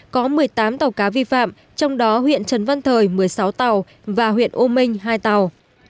có một mươi tám tàu cá vi phạm trong đó huyện trần văn thời một mươi sáu tàu và huyện âu minh hai tàu